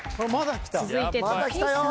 続いて武井さん。